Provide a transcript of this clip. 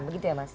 begitu ya mas